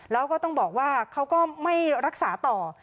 แล้วก็ต้องบอกว่าเขาก็ไม่รักษาต่อ